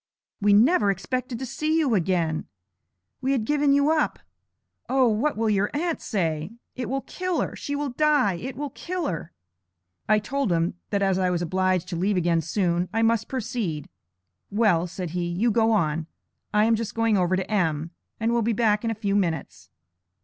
We never expected to see you again! We had given you up; O, what will your aunt say? It will kill her! She will die! It will kill her.' I told him, that as I was obliged to leave again soon, I must proceed. 'Well,' said he, 'you go on; I am just going over to M., and will be back in a few minutes.'